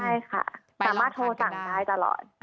ใช่ค่ะสามารถโทรสั่งได้ตลอด